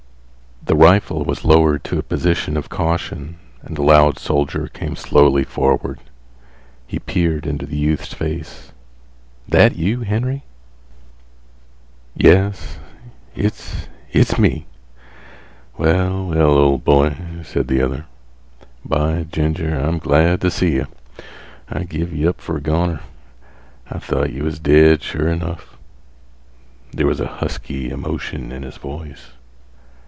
The rifle was lowered to a position of caution and the loud soldier came slowly forward. He peered into the youth's face. "That you, Henry?" "Yes, it's—it's me." "Well, well, ol' boy," said the other, "by ginger, I'm glad t' see yeh! I give yeh up fer a goner. I thought yeh was dead sure enough." There was husky emotion in his voice.